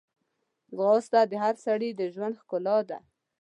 ځغاسته د هر سړي د ژوند ښکلا ده